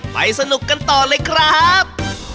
สนุกกันต่อเลยครับ